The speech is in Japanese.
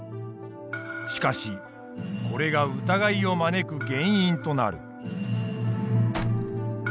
しかしこれが疑いを招く原因となる。